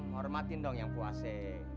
hormatin dong yang puase